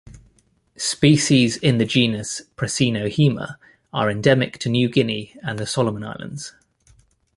Species in the genus "Prasinohaema" are endemic to New Guinea and the Solomon Islands.